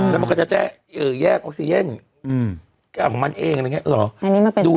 แล้วก็จะแยกออกเซียนเอาของมันเองอะไรอย่างนี้